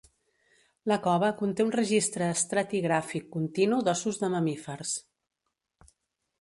La cova conté un registre estratigràfic continu d'ossos de mamífers.